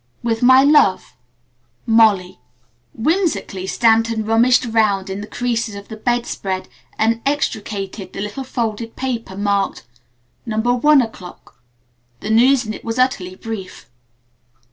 "With my love, "MOLLY." Whimsically, Stanton rummaged around in the creases of the bed spread and extricated the little folded paper marked, "No. 1 o'clock." The news in it was utterly brief.